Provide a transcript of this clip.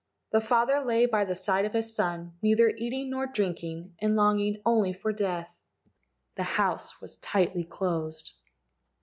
The father lay by the side of his son, neither eating nor drinking, and longing only for death. The house was tightly closed.